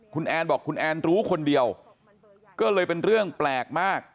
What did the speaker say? คุณแอนบอกคุณแอนรู้คนเดียวก็เลยเป็นเรื่องแปลกมาก